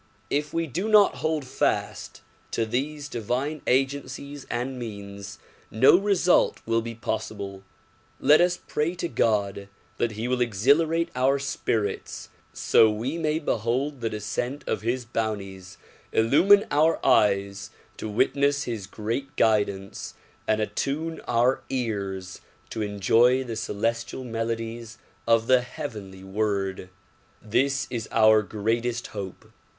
If we do not hold fast to these divine agencies and means, no result will be possible. Let us pray to God that he will exhilarate our spirits so we may behold the descent of his bounties, illumine our eyes to witness his great guidance and attune our ears to enjoy the celes tial melodies of the heavenly Word, This is our greatest hope.